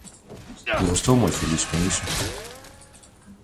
Eu estou moi feliz con iso.